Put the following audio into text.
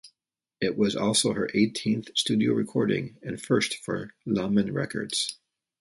It was also her eighteenth studio recording and first for Lamon Records.